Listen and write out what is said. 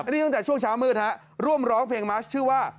นี่ตั้งแต่ช่วงเช้ามืดฮะร่วมร้องเพลงมัชชื่อว่า